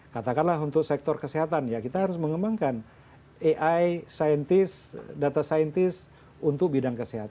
katakanlah untuk sektor kesehatan ya kita harus mengembangkan ai data scientist untuk bidang kesehatan